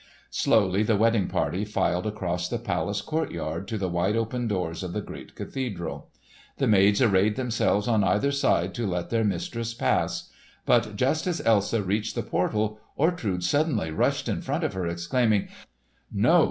Slowly the wedding party filed across the palace courtyard to the wide open doors of the great cathedral. The maids arrayed themselves on either side to let their mistress pass; but just as Elsa reached the portal, Ortrud suddenly rushed in front of her exclaiming, "No!